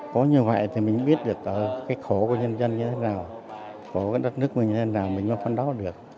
có như vậy thì mình biết được cái khổ của nhân dân như thế nào khổ của đất nước như thế nào mình mới phân đo được